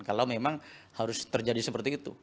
kalau memang harus terjadi seperti itu